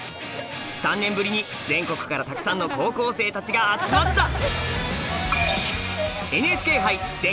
３年ぶりに全国からたくさんの高校生たちが集まった！